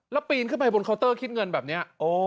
แล้วปีนขึ้นไปบนเคาน์เตอร์คิดเงินแบบนี้